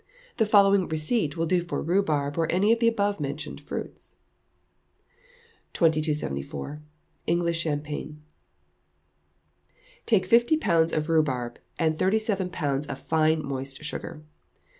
The following receipt will do for rhubarb, or any of the above mentioned fruits. 2274. English Champagne. Take fifty pounds of rhubarb and thirty seven pounds of fine moist sugar.